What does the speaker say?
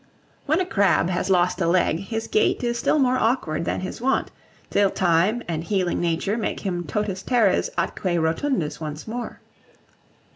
When a crab has lost a leg, his gait is still more awkward than his wont, till Time and healing Nature make him totus teres atque rotundus once more.